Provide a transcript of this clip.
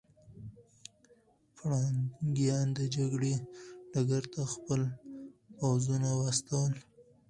پرنګیان د جګړې ډګر ته خپل پوځونه واستول.